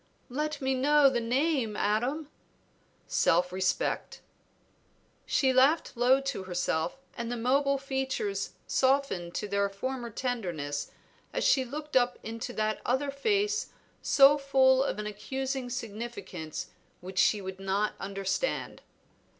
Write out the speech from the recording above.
"Let me know the name, Adam." "Self respect." She laughed low to herself, and the mobile features softened to their former tenderness as she looked up into that other face so full of an accusing significance which she would not understand.